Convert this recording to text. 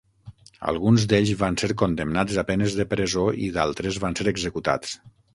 Alguns d'ells van ser condemnats a penes de presó i d'altres van ser executats.